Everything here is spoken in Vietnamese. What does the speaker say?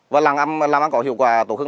và làm ăn có hiệu quả tốt hơn